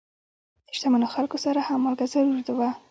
د شتمنو خلکو سره هم مالګه ضرور وه.